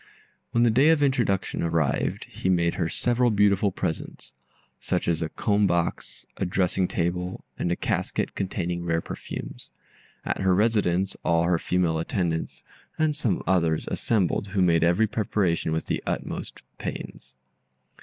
When the day of introduction arrived, he made her several beautiful presents, such as a comb box, a dressing table, and a casket containing rare perfumes. At her residence all her female attendants, and some others, assembled, who made every preparation with the utmost pains.